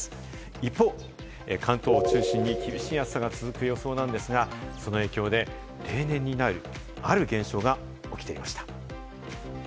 一方、関東を中心に厳しい暑さが続く予想なんですが、その影響で例年にはない、ある現象が起きていました。